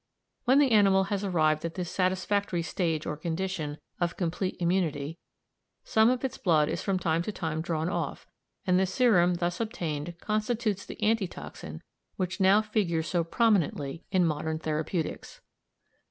When the animal has arrived at this satisfactory stage or condition of complete immunity, some of its blood is from time to time drawn off, and the serum thus obtained constitutes the anti toxin which now figures so prominently in modern therapeutics.